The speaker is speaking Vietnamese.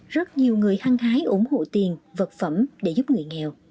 rất nhiều người hăng hái ủng hộ tiền vật phẩm để giúp người nghèo